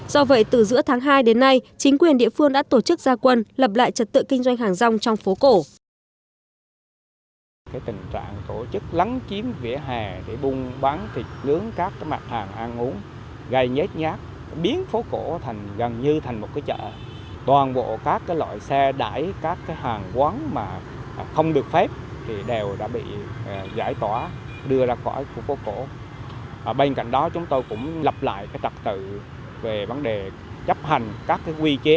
do vậy từ giữa tháng hai đến nay chính quyền địa phương đã tổ chức gia quân lập lại trật tựa kinh doanh hàng rong trong phố cổ